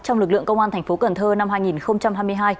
trong lực lượng công an thành phố cần thơ năm hai nghìn hai mươi hai